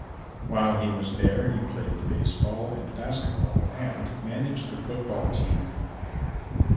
While was there he played baseball and basketball and managed the football team.